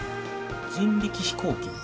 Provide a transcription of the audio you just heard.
人力飛行機。